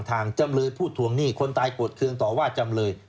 ระหว่างทางจำเลยพูดถวงหนี้คนตายกดเครื่องต่อวาดจำเลย